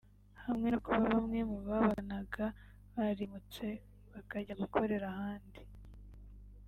hamwe no kuba bamwe mu babaganaga barimutse bakajya gukorera ahandi